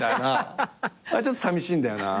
ちょっとさみしいんだよな。